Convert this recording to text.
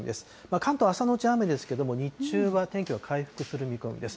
関東、朝のうち雨ですけれども、日中は天気は回復する見込みです。